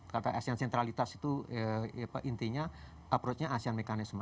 kata asean sentralitas itu intinya approach nya asean mekanisme